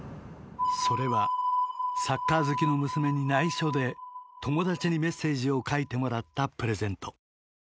それはサッカー好きの娘に内緒で友達にメッセージを書いてもらったプレゼント